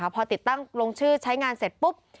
พอติดตั้งลงชื่อใช้งานเสร็จปุ๊บ